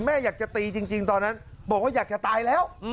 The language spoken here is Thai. แม่อยากจะตีจริงตอนนั้นบอกว่าอยากจะตายแล้ว